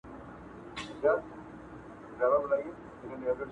دا آخره زمانه ده په پیمان اعتبار نسته!.